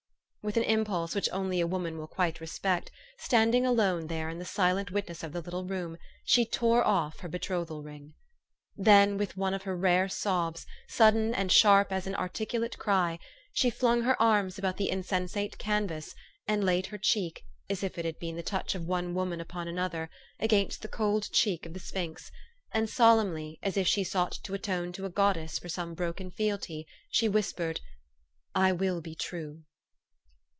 With an impulse which only a woman will quite respect, standing alone there in the silent witness of the little room, she tore off her betrothal ring. Then with one of her rare sobs, sudden and sharp THE STORY OF AVIS. 219 as an articulate cry, she flung her arms about the in sensate canvas, and laid her cheek, as if it had been the touch of one woman upon another, against the cold cheek of the sphinx ; and solemnly, as if she sought to atone to a goddess for some broken fealty > she whispered, "I will be true."